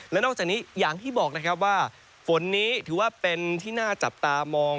และนอกจากนี้อย่างที่บอกนะครับว่าฝนนี้ถือว่าเป็นที่น่าจับตามอง